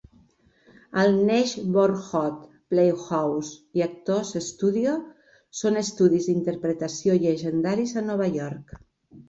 El Neighborhood Playhouse i Actors Studio són estudis d'interpretació llegendaris a Nova York.